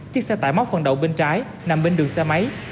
chiếc xe tải móc phần đầu bên trái nằm bên đường xe máy